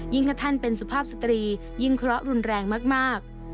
ถ้าท่านเป็นสุภาพสตรียิ่งเคราะห์รุนแรงมาก